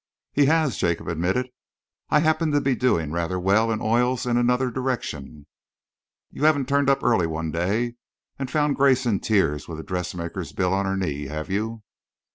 "He has," Jacob admitted. "I happen to be doing rather well in oils in another direction." "You haven't turned up early one day and found Grace in tears with a dressmaker's bill on her knee, have you?"